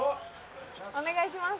お願いします。